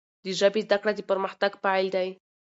د ژبي زده کړه، د پرمختګ پیل دی.